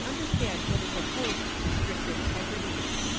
9. understand what is opposed to strict integrity.